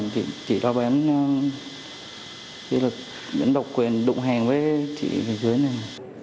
vì do chị lo bán vì là những độc quyền đụng hàng với chị ở dưới này